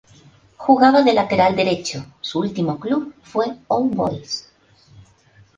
Jugaba de Lateral derecho, su último club fue All Boys.